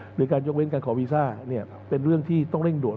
หรือการยกเว้นการขอวีซ่าเป็นเรื่องที่ต้องเร่งด่วน